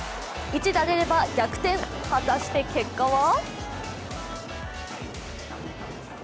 一打出れば逆転果たして結果は？